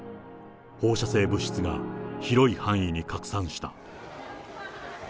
放射性物質が広い範囲に拡散した。